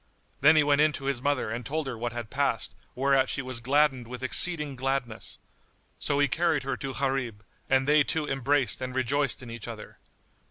Then he went in to his mother and told her what had passed; whereat she was gladdened with exceeding gladness: so he carried her to Gharib, and they two embraced and rejoiced in each other.